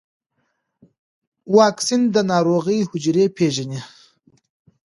واکسین د ناروغ حجرې پېژني.